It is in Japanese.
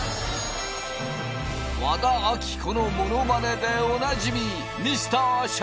和田アキ子のモノマネでおなじみ